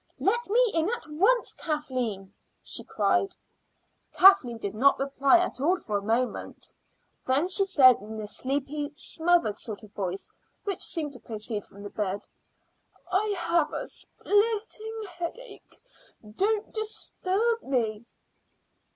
"Let me in at once, Kathleen," she cried. Kathleen did not reply at all for a moment; then she said in a sleepy, smothered sort of voice which seemed to proceed from the bed: "I have a splitting headache; don't disturb me."